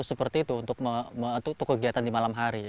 seperti itu untuk kegiatan di malam hari